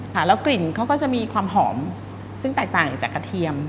แล้วกลิ่นเขาก็จะมีความหอมซึ่งแตกต่างจากกระเทียม